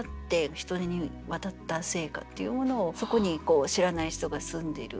人に渡った生家っていうものをそこに知らない人が住んでる。